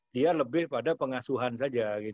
dia lebih pada pengasuhan saja